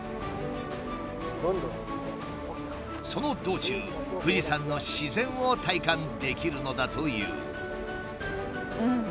その道中富士山の自然を体感できるのだという。